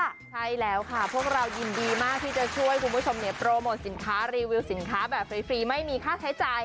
ใช่แล้วค่ะพวกเรายินดีมากที่จะช่วยคุณผู้ชมเนี่ยโปรโมทสินค้ารีวิวสินค้าแบบฟรีไม่มีค่าใช้จ่าย